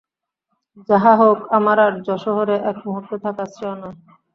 যাহা হউক, আমার আর যশোহরে একমুহূর্ত থাকা শ্রেয় নয়।